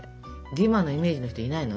デュマのイメージの人いないの？